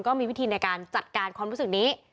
ก็มีวิธีในการจัดการความรู้สึกนี้